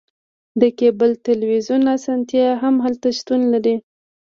د کیبل تلویزیون اسانتیا هم هلته شتون لري